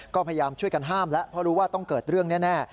ก็พยายามช่วยกันห้ามแล้วเพราะรู้ว่าต้องเกิดเรื่องแน่